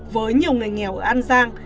với nhiều người nghèo ở an giang